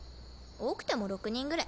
多くても６人ぐらい。